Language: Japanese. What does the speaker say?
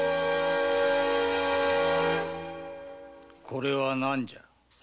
これは何じゃ？